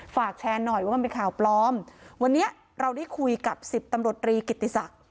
ฝากแชร์หน่อยว่ามันเป็นข่าวปลอมวันนี้เราได้คุยกับสิบตำรวจรีกิติศักดิ์